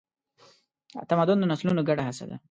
تمدن د نسلونو ګډه هڅه ده.